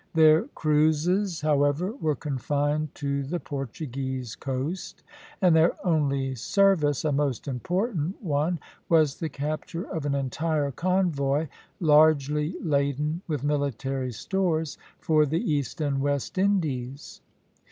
Their cruises, however, were confined to the Portuguese coast; and their only service, a most important one, was the capture of an entire convoy, largely laden with military stores, for the East and West Indies.